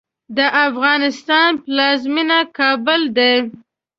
د افغانستان پلازمېنه کابل ده